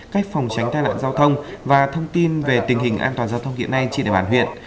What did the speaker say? cách phòng tránh tai nạn giao thông và thông tin về tình hình an toàn giao thông hiện nay chỉ để bản huyện